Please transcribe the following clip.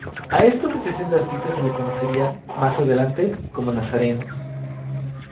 A esta asociación de artistas se le conocería, más adelante, como nazarenos.